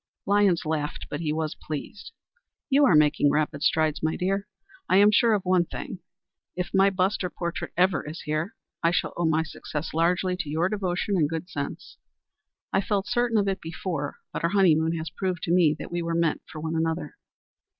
'" Lyons laughed, but he was pleased. "You are making rapid strides, my dear. I am sure of one thing if my bust or portrait ever is here, I shall owe my success largely to your devotion and good sense. I felt certain of it before, but our honeymoon has proved to me that we were meant for one another."